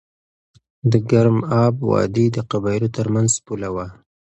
د ګرم آب وادي د قبایلو ترمنځ پوله وه.